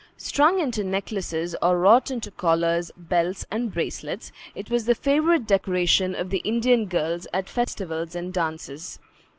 Strung into necklaces, or wrought into collars, belts, and bracelets, it was the favorite decoration of the Indian girls at festivals and dances.